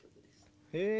へえ。